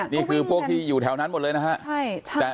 นี่คือพวกที่อยู่แถวนั้นหมดเลยนะฮะ